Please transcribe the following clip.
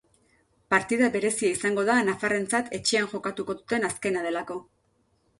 Partida berezia izango da nafarrentzat etxean jokatuko duten azkena delako.